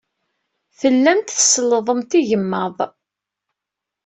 Tellamt tsellḍemt igmaḍ.